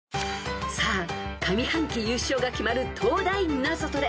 ［さあ上半期優勝が決まる東大ナゾトレ。